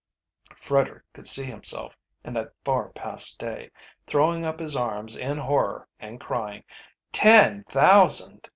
Frederick could see himself, in that far past day, throwing up his arms in horror and crying: "Ten thousand!